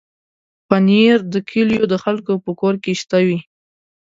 پنېر د کلیو د خلکو په کور کې شته وي.